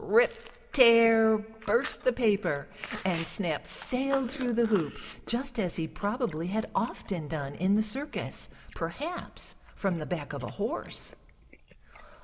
"Rip! Tear!" burst the paper, and Snap sailed through the hoop just as he probably had often done in the circus, perhaps from the back of a horse.